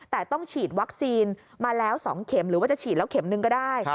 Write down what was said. แต่ต้องฉีดวัคซีนมาแล้ว๒เข็มหรือว่าจะฉีดแล้วเข็มนึงก็ได้